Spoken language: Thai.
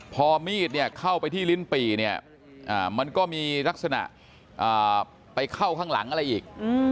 พอมีดเนี่ยเข้าไปที่ลิ้นปี่เนี่ยมันก็มีลักษณะไปเข้าข้างหลังอะไรอีก